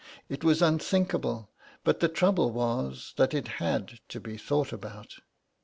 It was unthinkable, but the trouble was that it had to be thought about.